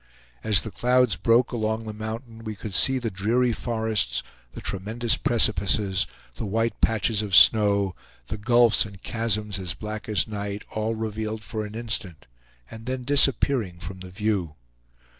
As the clouds broke along the mountain, we could see the dreary forests, the tremendous precipices, the white patches of snow, the gulfs and chasms as black as night, all revealed for an instant, and then disappearing from the view.